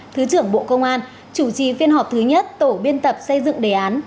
thứ trưởng bộ công an chủ trì phiên họp thứ nhất tổ biên tập xây dựng đề án